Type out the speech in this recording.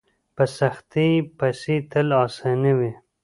په سختۍ پسې تل اساني وي.